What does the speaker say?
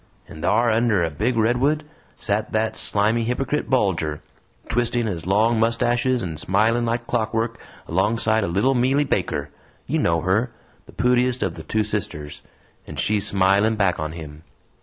And thar, under a big redwood, sat that slimy hypocrite Bulger, twisting his long mustaches and smiling like clockwork alongside o' little Meely Baker you know her, the pootiest of the two sisters and she smilin' back on him.